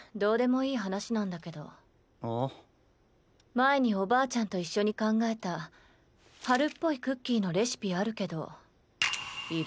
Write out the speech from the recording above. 前におばあちゃんと一緒に考えた春っぽいクッキーのレシピあるけどいる？